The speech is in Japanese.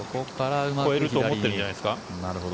越えると思ってるんじゃないですか？